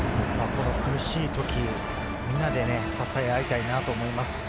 この苦しい時、みんなで支え合いたいなと思います。